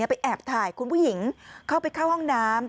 ไปแอบถ่ายคุณผู้หญิงเข้าไปเข้าห้องน้ำ